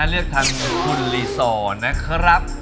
เลือกทางคุณรีซอร์นะครับ